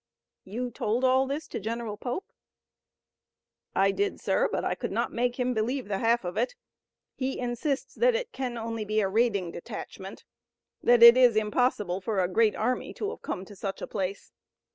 "You told all this to General Pope?" "I did, sir, but I could not make him believe the half of it. He insists that it can only be a raiding detachment, that it is impossible for a great army to have come to such a place.